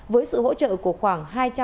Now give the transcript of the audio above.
với sự hỗ trợ của khoảng